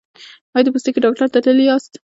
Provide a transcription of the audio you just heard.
ایا د پوستکي ډاکټر ته تللي یاست؟